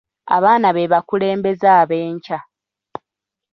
Abaana be bakulembeze ab'enkya.